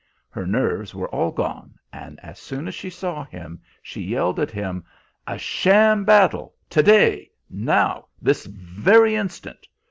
Her nerves were all gone, and as soon as she saw him, she yelled at him: 'A sham battle to day now this very instant!